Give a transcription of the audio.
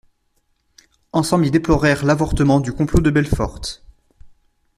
Ensemble ils déplorèrent l'avortement du complot de Belfort.